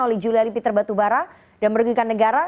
oleh juliari peter batubara dan merugikan negara